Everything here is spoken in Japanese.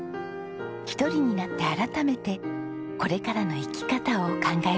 １人になって改めてこれからの生き方を考えました。